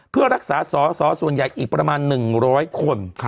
เพื่อรักษาสอสอส่วนใหญ่อีกประมาณ๑๐๐คน